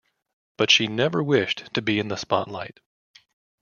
But she never wished to be in the spotlight.